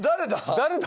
誰だ？